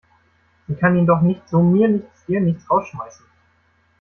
Sie kann ihn doch nicht so mir nichts, dir nichts rausschmeißen!